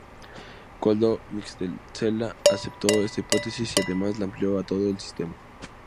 Koldo Mitxelena aceptó esta hipótesis y, además, la amplió a todo el sistema.